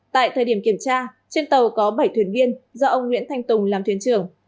tại thời điểm kiểm tra trên tàu có bảy thuyền viên do ông nguyễn thanh tùng làm thuyền trưởng